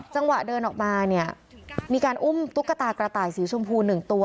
จังหวะเดินออกมาเนี่ยมีการอุ้มตุ๊กตากระต่ายสีชมพู๑ตัว